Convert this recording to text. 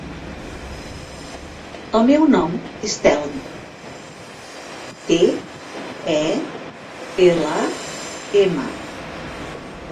El meu nom és Telm: te, e, ela, ema.